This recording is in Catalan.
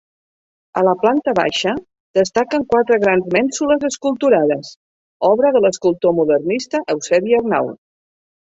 A la planta baixa, destaquen quatre grans mènsules esculturades, obra de l'escultor modernista Eusebi Arnau.